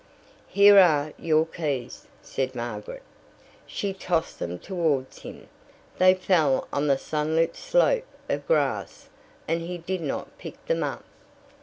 "Here are your keys," said Margaret. She tossed them towards him. They fell on the sunlit slope of grass, and he did not pick them up.